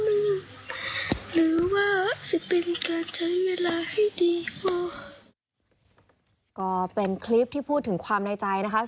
แม่นุกจะไม่มีทางให้พ่อไปใส่อีก